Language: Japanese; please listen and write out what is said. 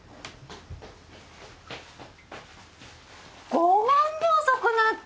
ごめんね遅くなって。